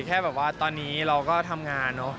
แค่แบบว่าตอนนี้เราก็ทำงานเนอะ